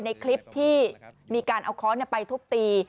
ในคลิปที่มีการเอาค้อนไปทุบตี